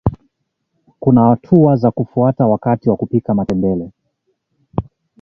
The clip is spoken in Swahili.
kuna hatua za kufata wakati wa kupika matembele